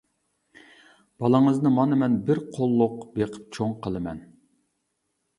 بالىڭىزنى مانا مەن بىر قوللۇق بېقىپ چوڭ قىلىمەن.